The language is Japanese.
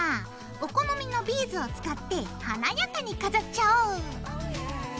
お好みのビーズを使って華やかに飾っちゃおう。